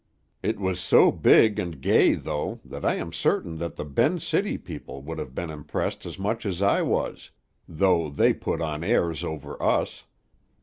"It was so big and gay, though, that I am certain that the Ben's City people would have been impressed as much as I was, though they put on airs over us.